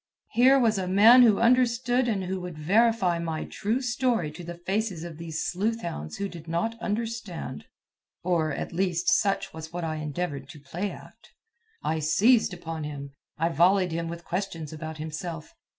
Here was a man who understood and who would verify my true story to the faces of those sleuth hounds who did not understand, or, at least, such was what I endeavored to play act. I seized upon him; I volleyed him with questions about himself.